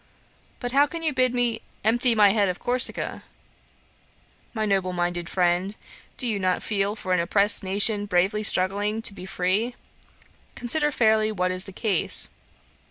'But how can you bid me "empty my head of Corsica?" My noble minded friend, do you not feel for an oppressed nation bravely struggling to be free? Consider fairly what is the case.